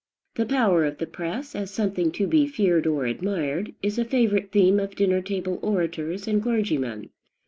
"The power of the press," as something to be feared or admired, is a favorite theme of dinner table orators and clergymen.